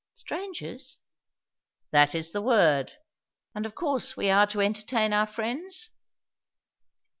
"Strangers!" "That is the word." "And of course we are to entertain our friends?"